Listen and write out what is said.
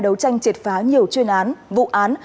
đấu tranh triệt phá nhiều chuyên án vụ án